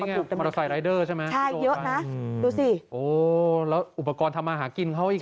อัพประปุกตำเนินคดีใช่ไหมครับดูสิโอ้แล้วอุปกรณ์ทำมาหากินเข้าอีก